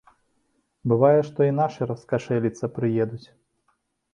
Бывае, што і нашы раскашэліцца прыедуць.